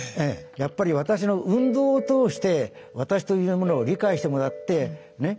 やっぱり私の運動を通して私というものを理解してもらってねっ？